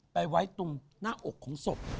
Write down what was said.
ไปไว้ตรงหน้าอกของศพ